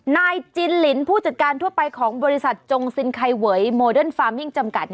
นายจินลินผู้จัดการทั่วไปของบริษัทจงซินไคเวยโมเดิร์นฟาร์มมิ่งจำกัด